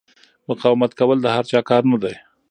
مقاومت کول د هر چا کار نه دی.